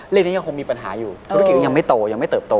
นี้ยังคงมีปัญหาอยู่ธุรกิจก็ยังไม่โตยังไม่เติบโต